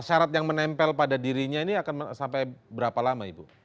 syarat yang menempel pada dirinya ini akan sampai berapa lama ibu